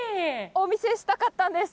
お見せしたかったんです。